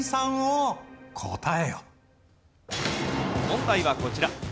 問題はこちら。